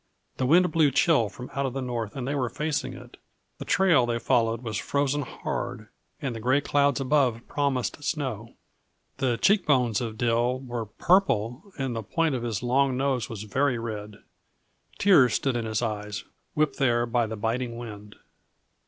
The wind blew chill from out the north and they were facing it; the trail they followed was frozen hard and the gray clouds above promised snow. The cheek bones of Dill were purple and the point of his long nose was very red. Tears stood in his eyes, whipped there by the biting wind.